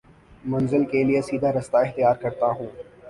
منزل کے لیے سیدھا راستہ اختیار کرتا ہوں